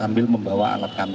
sambil membawa alat kami